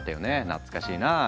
懐かしいな。